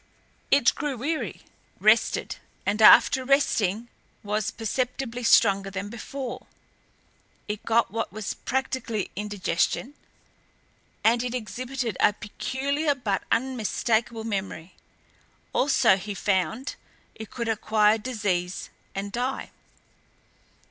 It grew weary, rested, and after resting was perceptibly stronger than before; it got what was practically indigestion, and it exhibited a peculiar but unmistakable memory. Also, he found, it could acquire disease and die.